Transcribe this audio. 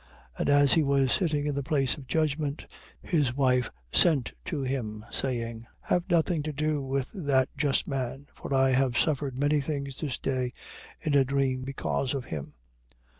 27:19. And as he was sitting in the place of judgment, his wife sent to him, saying: Have thou nothing to do with that just man; for I have suffered many things this day in a dream because of him.